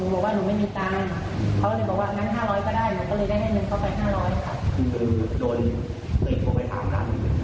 ตอนแรกก็จะจะติดเอ่อพันครึงหนูบอกว่าหนูไม่มีเงิน